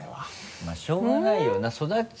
まぁしょうがないよな育ち